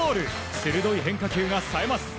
鋭い変化球が冴えます。